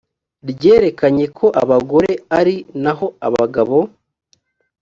ryerekanye ko abagore ari naho abagabo